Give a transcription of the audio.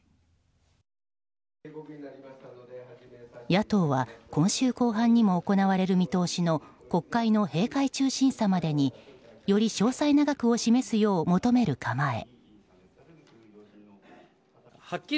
野党は今週後半にも行われる見通しの国会の閉会中審査までにより詳細な額を示すよう求める構え。